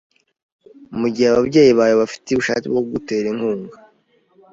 mugihe ababyeyi bawe bafite ubushake bwo kugutera inkunga?